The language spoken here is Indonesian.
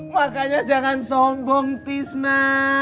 makanya jangan sombong tisna